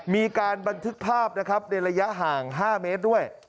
มีการบันทึกภาพนะครับในระยะห่าง๕เมตรด้วย